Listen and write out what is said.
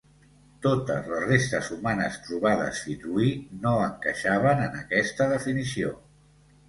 Totes les restes humanes trobades fins hui no encaixaven en aquesta definició.